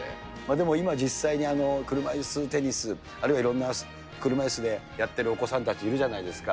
でも今実際に車いすテニス、あるいはいろんな車いすでやってるお子さんたちいるじゃないですか。